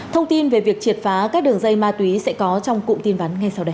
thông tin về việc triệt phá các đường dây ma túy sẽ có trong cụm tin vắn ngay sau đây